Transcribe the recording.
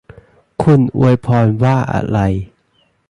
คุณอวยพรว่าอะไร